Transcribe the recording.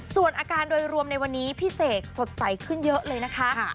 ส่วนอาการโดยรวมในวันนี้พี่เสกสดใสขึ้นเยอะเลยนะคะ